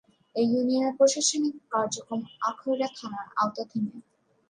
এ ইউনিয়নের প্রশাসনিক কার্যক্রম আখাউড়া থানার আওতাধীন।